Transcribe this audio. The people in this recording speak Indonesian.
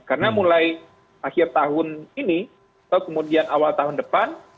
karena mulai akhir tahun ini atau kemudian awal tahun depan